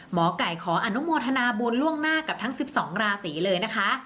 หมอไก่ขออนุโมทนาบุญล่วงหน้ากับทั้ง๑๒ราศีเลยนะคะ